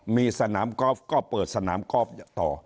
มีสนามกอล์ฟก็เปิดสนามกอล์ฟต่อ